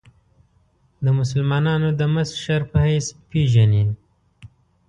د مسلمانانو د مشر په حیث پېژني.